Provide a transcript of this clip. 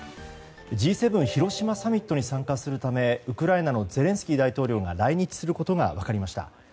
Ｇ７広島サミットに参加するためウクライナのゼレンスキー大統領が来日することが分かりました。